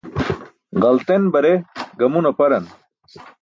Ġalten bare gamun aparan.